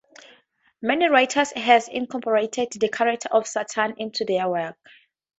Many writers have incorporated the character of Satan into their works.